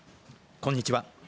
こんにちは。